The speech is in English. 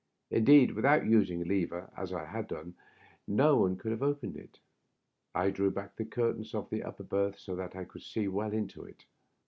Indeed, without using a lever, as I had done, no one could have opened it. I drew back the curtains of the upper berth 60 that I could see well into it.